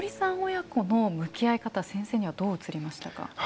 親子の向き合い方先生にはどう映りましたか？